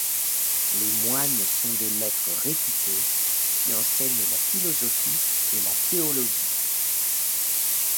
Les moines sont des maîtres réputés qui enseignent la philosophie et la théologie.